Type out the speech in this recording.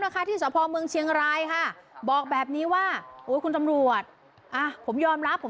กลายด้วย